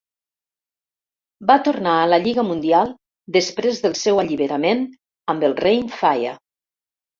Va tornar a la Lliga Mundial després del seu alliberament amb el Rhein Fire.